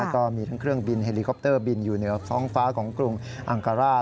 ก็มีทั้งเครื่องบินเฮลิคอปเตอร์บินอยู่เหนือท้องฟ้าของกรุงอังการ่า